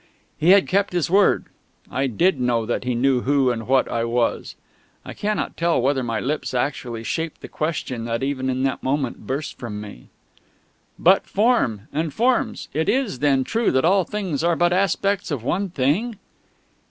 He had kept his word. I did know that he knew who and what I was.... I cannot tell whether my lips actually shaped the question that even in that moment burst from me. "But Form and Forms? It is then true that all things are but aspects of One thing?..."